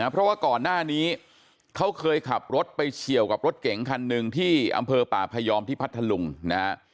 เพราะว่าก่อนหน้านี้เขาเคยขับรถไปเฉียวกับรถเก๋งคันหนึ่งที่อำเภอป่าพยอมที่พัทธลุงนะฮะ